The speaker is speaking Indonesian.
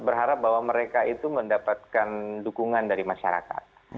berharap bahwa mereka itu mendapatkan dukungan dari masyarakat